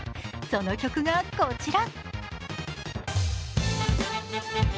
その曲が、こちら。